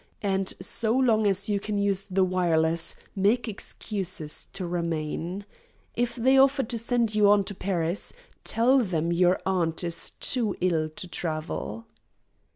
And so long as you can use the wireless, make excuses to remain. If they offer to send you on to Paris, tell them your aunt is too ill to travel."